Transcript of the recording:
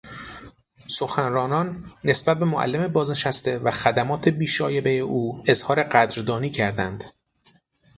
سخنرانان نسبت به معلم بازنشسته و خدمات بی شایبهی او اظهار قدردانی کردند.